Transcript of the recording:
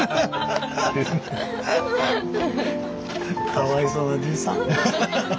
かわいそうなじいさん。